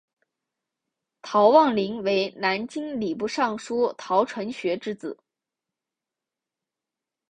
陶望龄为南京礼部尚书陶承学之子。